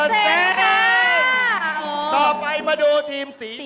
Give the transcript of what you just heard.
ต่อไปมาดูทีมสี